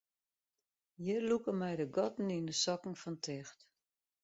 Hjir lûke my de gatten yn de sokken fan ticht.